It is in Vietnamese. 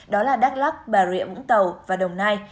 đó là đắk lắc bà rịa vũng tàu và đồng nai